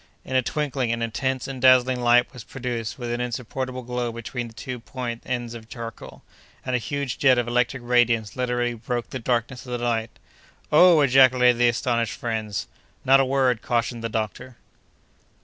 In a twinkling, an intense and dazzling light was produced, with an insupportable glow between the two pointed ends of charcoal, and a huge jet of electric radiance literally broke the darkness of the night. "Oh!" ejaculated the astonished friends. "Not a word!" cautioned the doctor.